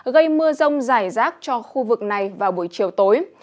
gây mưa rông rải rác cho khu vực này vào buổi chiều tối